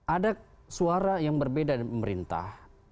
ada suara yang berbeda dari pemerintah